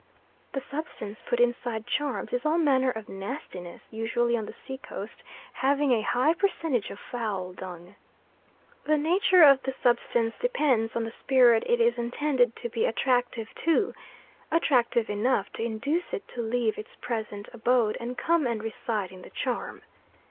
The substance put inside charms is all manner of nastiness, usually on the sea coast having a high percentage of fowl dung. The nature of the substance depends on the spirit it is intended to be attractive to attractive enough to induce it to leave its present abode and come and reside in the charm.